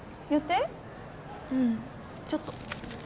うんちょっと。